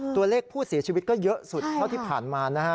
ตัวเลขผู้เสียชีวิตก็เยอะสุดเท่าที่ผ่านมานะฮะ